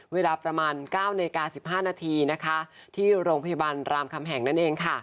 เวลาประมาณ๙น๑๕นที่โรงพยาบาลรามคำแห่งนั่นเอง